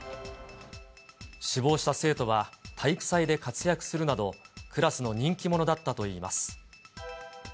死亡した生徒は体育祭で活躍するなど、クラスの人気者だったといいます。